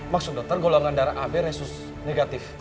maksud dokter golongan darah ab resis negatif